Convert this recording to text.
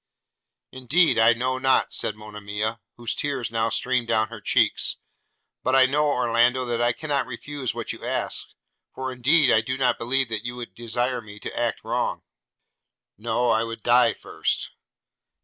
'Indeed I know not,' said Monimia, whose tears now streamed down her cheeks; 'but I know, Orlando, that I cannot refuse what you ask; for, indeed, I do not believe you would desire me to act wrong.' 'No, I would die first.'